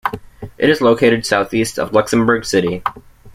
It is located south-east of Luxembourg City.